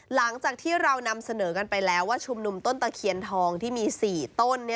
หลังจากที่เรานำเสนอกันไปแล้วว่าชุมนุมต้นตะเคียนทองที่มี๔ต้น